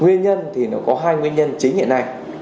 nguyên nhân thì nó có hai nguyên nhân chính hiện nay